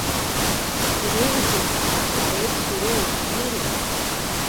Иреиӷьӡоу ҳаԥсуа поетцәа иреиуоу лирикуп.